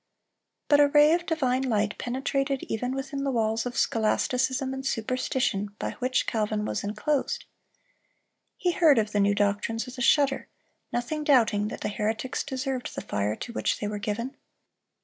But a ray of divine light penetrated even within the walls of scholasticism and superstition by which Calvin was inclosed. He heard of the new doctrines with a shudder, nothing doubting that the heretics deserved the fire to which they were given.